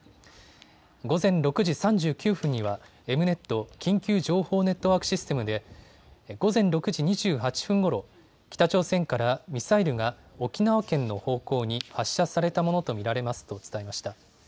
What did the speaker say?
午前６時３９分にはエムネット・緊急情報ネットワークシステムで午前６時２８分ごろ、北朝鮮からミサイルが沖縄県の方向に発射されたものと見られますと伝えました。